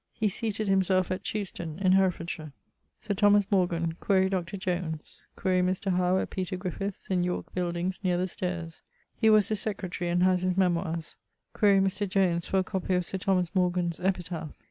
He seated himself at Cheuston, in Herefordshire. Sir Thomas Morgan: quaere Dr. Jones. Quaere Mr. Howe at Peter Griffiths', in Yorke buildings, neer the staires: he was his secretary and haz his memoires. Quaere Mr. Jones for a copie of Sir Thomas Morgan's epitaph.